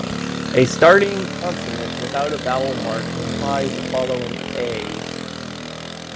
A starting consonant without a vowel mark implies a following "a".